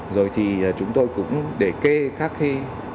rồi thì chúng tôi cũng để kê các cái